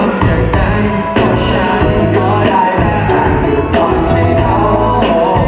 ทำอย่างนั้นก็ฉันก็ได้และแอบอยู่ตอนที่เขาโหล